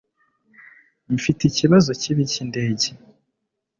mfite ikibazo kibi cyindege